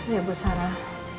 ya bu sarah